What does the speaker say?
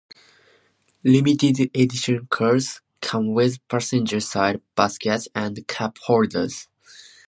Limited edition cars came with passenger side baskets and cup holders.